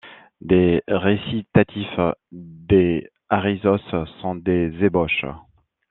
Des récitatifs, des ariosos sont des ébauches.